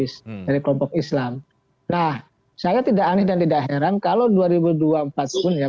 sampai hari ini tidak ada figur lain